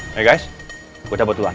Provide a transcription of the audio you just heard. oke guys gue cabut duluan